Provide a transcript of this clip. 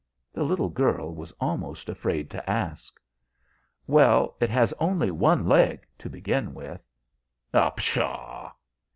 The little girl was almost afraid to ask. "Well, it has only one leg, to begin with." "Pshaw!"